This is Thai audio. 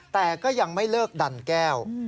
แต่ก็ยังไม่เลิกดันแก้ว